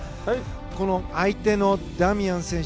この相手のダミアン選手